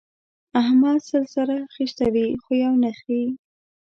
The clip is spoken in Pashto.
احمد سل سره خيشتوي؛ خو يو نه خرېي.